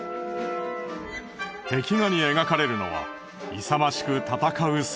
壁画に描かれるのは勇ましく戦う姿。